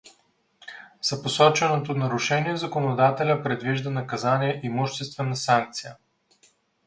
За посоченото нарушение законодателя предвижда наказание имуществена санкция.